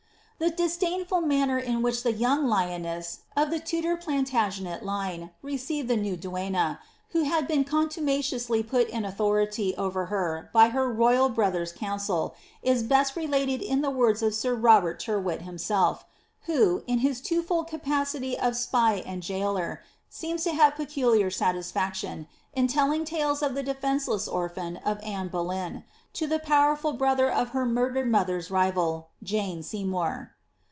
^ The disdainful manner in which the young lioness of the Tudor Plantagenet line received the new duenna, who had been contumelious ly put in authority over her by her royal brother's council, is best re lated in the words of sir Robert Tyrwhit himself, who, in his two fold capacity of spy and jailer, seems to have peculiar satisfaction, in telling tales of the defenceless orphan of Anne Boleyn, to the powerful brother of her munlered mother's rivals Jane Seymour.